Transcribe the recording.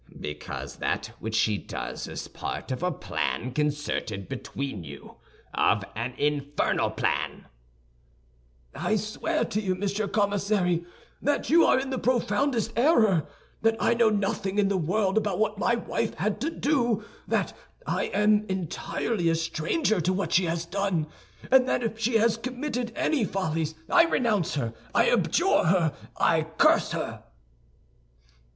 "Because that which she does is part of a plan concerted between you—of an infernal plan." "I swear to you, Monsieur Commissary, that you are in the profoundest error, that I know nothing in the world about what my wife had to do, that I am entirely a stranger to what she has done; and that if she has committed any follies, I renounce her, I abjure her, I curse her!"